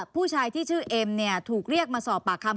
ผู้ชายที่ชื่อเอ็มเนี่ยถูกเรียกมาสอบปากคำ